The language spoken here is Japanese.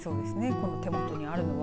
この手元にあるのは。